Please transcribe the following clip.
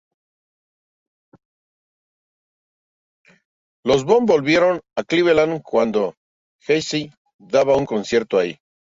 Los Bone volvieron a Cleveland cuando Eazy-E daba un concierto ahí.